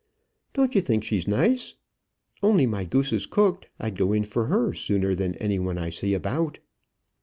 "Don't you think she's nice? Only my goose is cooked, I'd go in for her sooner than any one I see about."